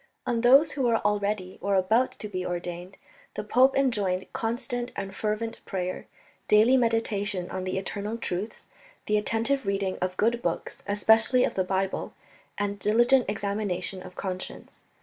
On those who were already, or about to be ordained, the pope enjoined constant and fervent prayer, daily meditation on the eternal truths, the attentive reading of good books, especially of the Bible, and diligent examination of conscience.